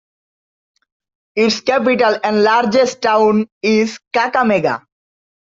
Its capital and largest town is Kakamega.